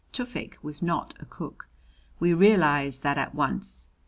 Tufik was not a cook. We realized that at once.